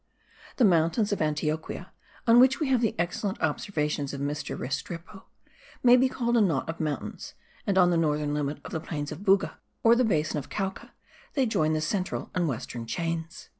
The mountains of Antioquia, on which we have the excellent observations of Mr. Restrepo, may be called a knot of mountains, and on the northern limit of the plains of Buga, or the basin of Cauca, they join the central and western chains.